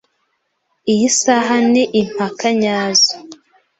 Iyi saha ni impaka nyazo.